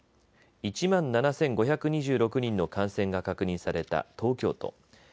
１万７５２６人の感染が確認された東京都。